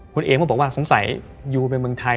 คุณเอมเขาบอกว่าสงสัยอยู่ในเมืองไทย